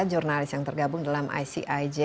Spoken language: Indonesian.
jurnalis yang tergabung dalam icij